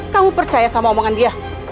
kamu percaya sama omongan dia